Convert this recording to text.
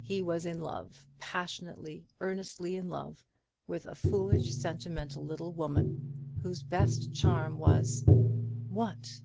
He was in love, passionately, earnestly in love, with a foolish sentimental little woman, whose best charm was what?